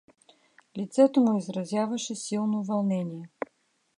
Лицето му изразяваше силно вълнение.